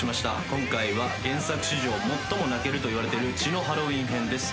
今回は原作史上最も泣けるといわれてる「血のハロウィン編」です。